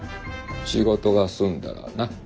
仕事が済んだらな。